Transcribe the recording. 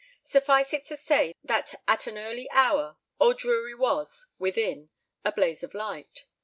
Suffice it to say that at an early hour Old Drury was, within, a blaze of light.